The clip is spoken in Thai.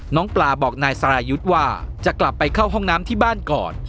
น้องปลาบอกนายสรายุทธ์ว่าจะกลับไปเข้าห้องน้ำที่บ้านก่อน